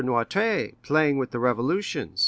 Noirtier, playing with revolutions—M.